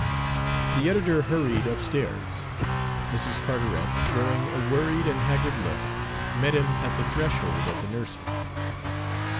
The editor hurried upstairs. Mrs. Carteret, wearing a worried and haggard look, met him at the threshold of the nursery.